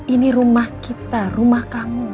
ini rumah kita rumah kamu